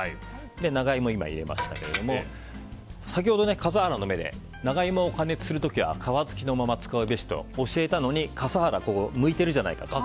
長イモを入れましたけど先ほど笠原の眼で長イモを加熱する時は皮付きのまま使うべしと教えたのに笠原、むいてるじゃないかと。